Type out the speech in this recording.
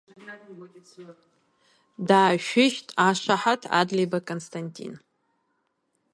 Даашәышьҭ ашаҳаҭ Адлеиба Константин!